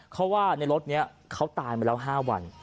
เขาว่าในรถนี้เขาตายมาแล้ว๕วัน